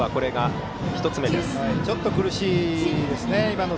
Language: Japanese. ちょっと苦しいですね